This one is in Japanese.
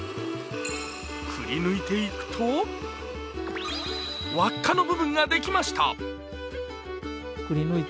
くり抜いていくと、輪っかの部分ができました。